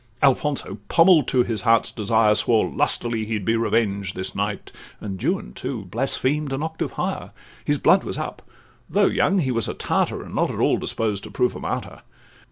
Alfonso, pommell'd to his heart's desire, Swore lustily he'd be revenged this night; And Juan, too, blasphemed an octave higher; His blood was up: though young, he was a Tartar, And not at all disposed to prove a martyr.